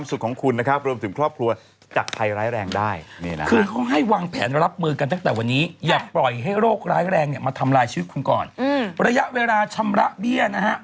เมื่อวันที่๒๖พฤศจิกายนที่ผ่านมาเนี่ย